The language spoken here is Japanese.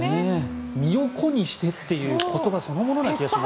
身を粉にしてという言葉そのものの気がします。